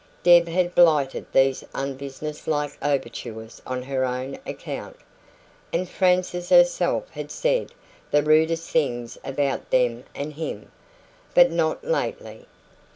Deb had blighted these unbusiness like overtures on her own account, and Frances herself had said the rudest things about them and him but not lately.